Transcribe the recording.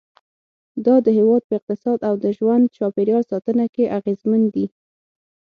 دا د هېواد په اقتصاد او د ژوند چاپېریال ساتنه کې اغیزمن دي.